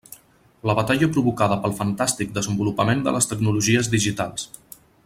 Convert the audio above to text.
La batalla provocada pel fantàstic desenvolupament de les tecnologies digitals.